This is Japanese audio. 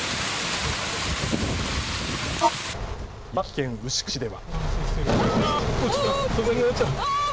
茨城県牛久市では。